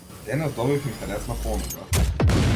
Денес добив интересна понуда.